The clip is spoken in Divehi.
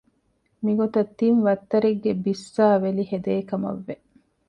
މިގޮތަށް ތިން ވައްތަރެއްގެ ބިއްސާވެލި ހެދޭކަމަށް ވެ